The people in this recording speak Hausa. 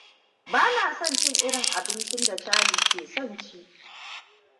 Bana son cin irin abincin da Cherlie ke son ci.